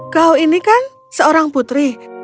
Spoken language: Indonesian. kau ini kan seorang putri